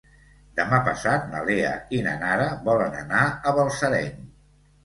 Demà passat na Lea i na Nara volen anar a Balsareny.